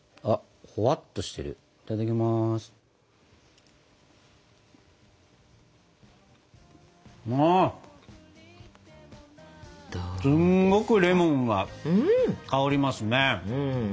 すんごくレモンが香りますね。